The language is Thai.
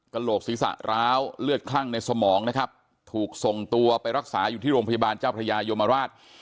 โหลกศีรษะร้าวเลือดคลั่งในสมองนะครับถูกส่งตัวไปรักษาอยู่ที่โรงพยาบาลเจ้าพระยายมราช